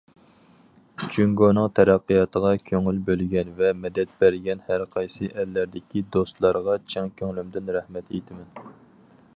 جۇڭگونىڭ تەرەققىياتىغا كۆڭۈل بۆلگەن ۋە مەدەت بەرگەن ھەرقايسى ئەللەردىكى دوستلارغا چىن كۆڭلۈمدىن رەھمەت ئېيتىمەن!